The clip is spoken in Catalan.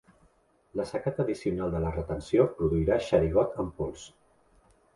L'assecat addicional de la retenció produirà xerigot en pols.